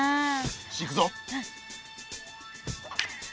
よしいくぞ。